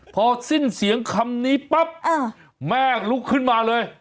พอสิ้นเสียงคำนี้ปั๊บแม่ลุกขึ้นมาเลย